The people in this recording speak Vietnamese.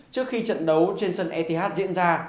trước khi trận đấu trên sân eth diễn ra